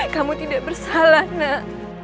kamu tidak bersalah nak